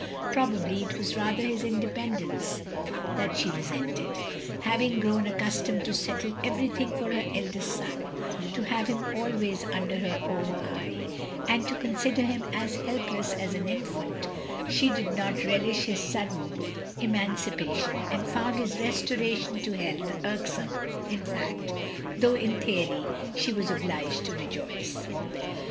Probably it was rather his independence that she resented. Having grown accustomed to settle everything for her eldest son, to have him always under her own eye, and to consider him as helpless as an infant, she did not relish his sudden emancipa tion, and found his restoration to health irksome in fact, though in theory she was obKged to rejoice.